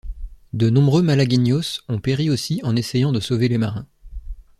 Des nombreux malagueños ont péri aussi en essayant de sauver les marins.